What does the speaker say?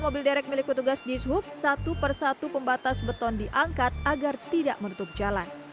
mobil derek milik petugas di suhub satu persatu pembatas beton diangkat agar tidak menutup jalan